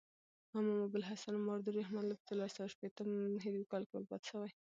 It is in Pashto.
امام ابوالحسن ماوردي رحمة الله په څلورسوه شپېتم هجري کال کښي وفات سوی دي.